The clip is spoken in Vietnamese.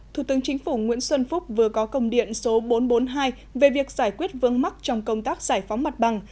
thủ tướng chính phủ nguyễn xuân phúc vừa có công điện số bốn trăm bốn mươi hai về việc giải quyết vương mắc trong công tác giải phóng mặt bằng